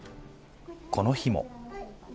この日も。